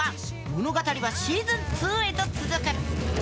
物語はシーズン２へと続く。